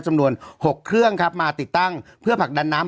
จำนวน๖เครื่องครับมาติดตั้งเพื่อผลักดันน้ำ